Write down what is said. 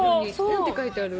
何て書いてある？